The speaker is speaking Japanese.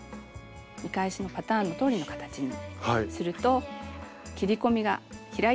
見返しのパターンのとおりの形にすると切り込みが開いてくれます。